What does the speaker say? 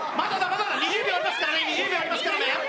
まだだ２０秒ありますからね２０秒ありますからね